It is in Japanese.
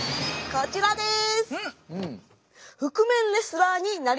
こちらです！